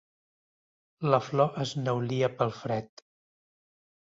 La flor es neulia pel fred.